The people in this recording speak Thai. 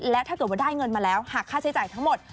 และถ้าเกิดว่าได้เงินมาแล้วหากค่าใช้จ่ายทั้งหมด